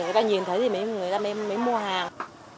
người ta nhìn thấy thì mấy người ta mới mua hàng